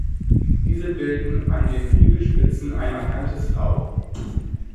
Diese bilden an den Flügelspitzen ein markantes "V".